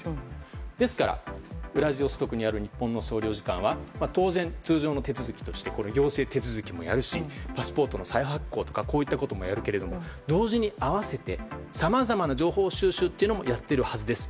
ですからウラジオストクにある日本の総領事館は当然、通常の手続きとして行政手続きもやるしパスポートの再発行とかこういったこともやるけど同時に併せてさまざまな情報収集もやっているはずです。